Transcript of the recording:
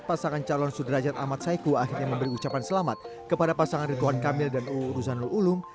pasangan calon sudrajat ahmad saiku akhirnya memberi ucapan selamat kepada pasangan ridwan kamil dan uu ruzanul ulum